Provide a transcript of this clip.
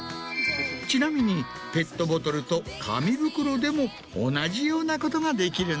ちなみにペットボトルと紙袋でも同じようなことができるんです。